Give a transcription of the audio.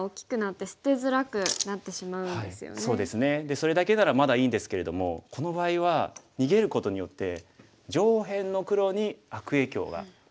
それだけならまだいいんですけれどもこの場合は逃げることによって上辺の黒に悪影響が及んでしまうんですね。